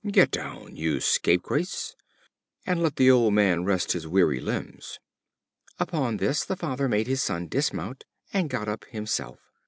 Get down, you scapegrace! and let the old Man rest his weary limbs." Upon this the Father made his Son dismount, and got up himself.